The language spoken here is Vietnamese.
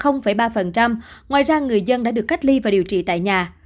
ngoài ra người dân đã được cách ly và điều trị tại nhà